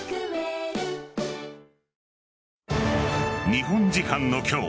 日本時間の今日